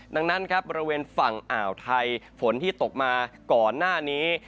ดังนั้นครับบริเวณฝั่งอ่าวไทยฝนที่ตกมาก่อนหน้านี้